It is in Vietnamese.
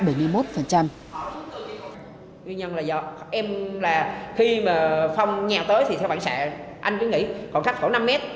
nguyên nhân là do em là khi mà phong nhào tới thì theo khoảng sạm anh cứ nghĩ khoảng cách khoảng năm mét